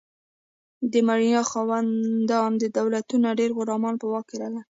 د مرئیانو خاوندان دولتونه ډیر غلامان په واک کې لرل.